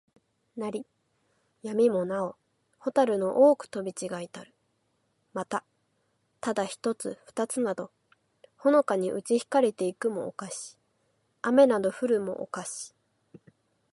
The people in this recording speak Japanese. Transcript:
夏なつは、夜よる。月つきのころはさらなり。闇やみもなほ、蛍ほたるの多おほく飛とびちがひたる。また、ただ一ひとつ二ふたつなど、ほのかにうち光ひかりて行いくも、をかし。雨あめなど降ふるも、をかし。